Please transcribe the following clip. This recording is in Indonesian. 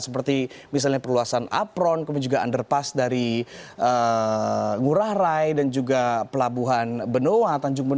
seperti misalnya perluasan apron kemudian juga underpass dari ngurah rai dan juga pelabuhan benoa